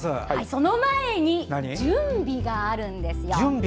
その前に準備があるんですよ。